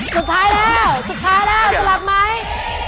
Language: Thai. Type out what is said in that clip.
สุดท้ายแล้วสุดท้ายแล้วสลับไหม